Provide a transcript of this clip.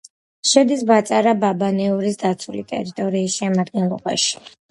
შედის ბაწარა-ბაბანეურის დაცული ტერიტორიების შემადგენლობაში.